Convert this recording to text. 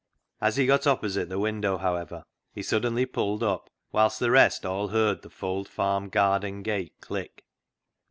As he got opposite the window, however, he suddenly pulled up, whilst the rest all heard the Fold farm garden gate click.